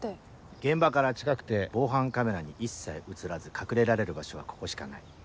現場から近くて防犯カメラに一切写らず隠れられる場所はここしかない。